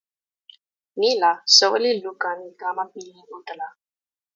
ni la, soweli Lukan li kama pilin utala.